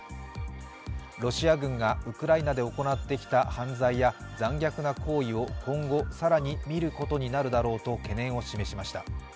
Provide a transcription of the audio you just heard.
ロシア軍がウクライナで行ってきた犯罪や残虐な行為を今後、更に見ることになるだろうと懸念を示しました。